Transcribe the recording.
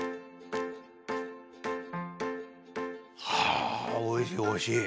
あおいしいおいしい。